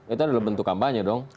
itu adalah bentuk kampanye dong